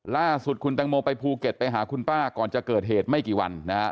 ล่าสุดคุณแตงโมไปภูเก็ตไปหาคุณป้าก่อนจะเกิดเหตุไม่กี่วันนะฮะ